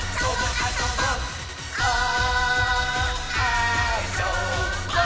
「あそぼー！」